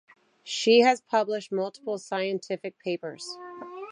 She has published multiple scientific papers.